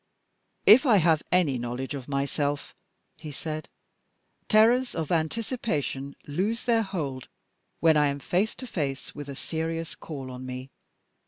"If I have any knowledge of myself," he said, "terrors of anticipation lose their hold when I am face to face with a serious call on me.